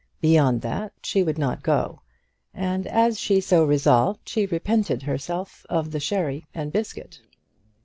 Beyond that she would not go; and as she so resolved, she repented herself of the sherry and biscuit.